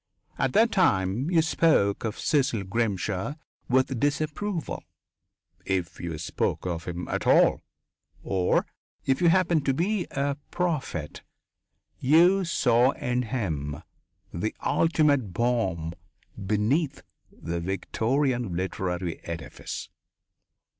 At that time you spoke of Cecil Grimshaw with disapproval, if you spoke of him at all, or, if you happened to be a prophet, you saw in him the ultimate bomb beneath the Victorian literary edifice.